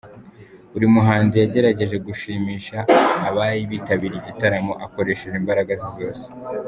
Buri muhanzi yagerageje gushimisha abari bitabiriye igitaramo akoresheje imbaraga ze zose.